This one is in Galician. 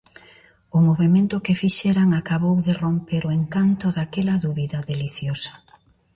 O movemento que fixeran acabou de romper o encanto daquela dúbida deliciosa.